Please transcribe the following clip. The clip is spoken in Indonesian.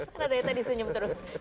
karena ada yang tadi sunyum terus